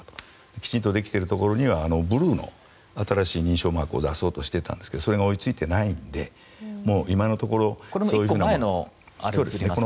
きちんとできているところにはブルーの新しい認証マークを出そうとしていたんですがそれが追い付いてないので今のところは。